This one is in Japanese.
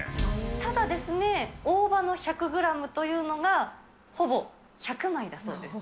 ただ、大葉の１００グラムというのが、ほぼ１００枚だそうです。